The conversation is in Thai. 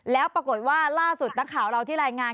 แล้วปรากฏว่าล่าสุดนักข่าวเราที่รายงาน